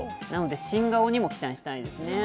なので、新顔にも期待したいですね。